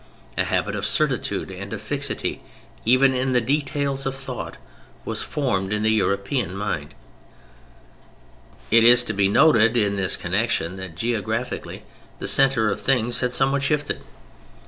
A habit of certitude and of fixity even in the details of thought was formed in the European mind. It is to be noted in this connection that geographically the centre of things had somewhat shifted.